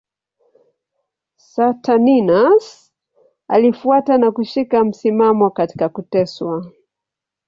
Saturninus alifuata na kushika msimamo katika kuteswa.